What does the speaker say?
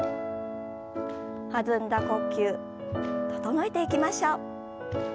弾んだ呼吸整えていきましょう。